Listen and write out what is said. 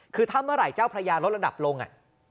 คือถ้าเมื่อไหร่เจ้าพระยาลดระดับลง